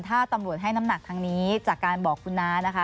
ถ้าตำรวจให้น้ำหนักทางนี้จากการบอกคุณน้านะคะ